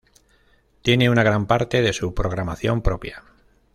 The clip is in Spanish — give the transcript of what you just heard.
Tiene una gran parte de su programación propia.